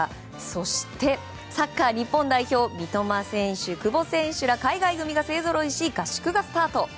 そしてサッカー日本代表三笘選手、久保選手ら海外組が勢ぞろいし合宿がスタート。